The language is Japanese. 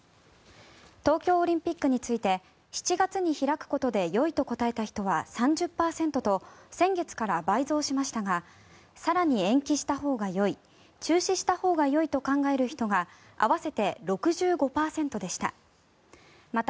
東京オリンピックについて７月に開くことでよいと答えた人は３０％と先月から倍増しましたが更に延期したほうがよい中止したほうがよいと考える人が合わせて６５％でした。